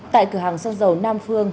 tại cửa hàng xăng dầu nam phương